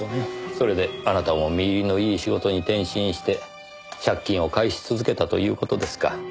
それであなたも実入りのいい仕事に転身して借金を返し続けたという事ですか。